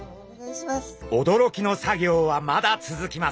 驚きの作業はまだ続きます。